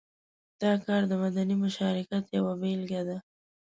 دا کار د مدني مشارکت یوه بېلګه ده.